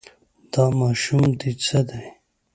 دا ماشوم دې څه دی.